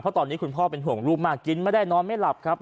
เพราะตอนนี้คุณพ่อเป็นห่วงลูกมากกินไม่ได้นอนไม่หลับครับ